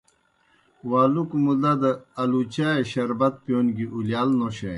والُکوْ مُدا دہ آلُوچائے شربت پِیون گیْ اُلِیال نوشانیْ۔